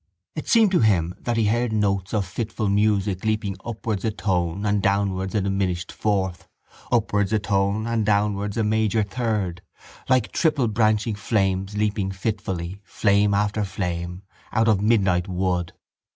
It seemed to him that he heard notes of fitful music leaping upwards a tone and downwards a diminished fourth, upwards a tone and downwards a major third, like triple branching flames leaping fitfully, flame after flame, out of a midnight wood.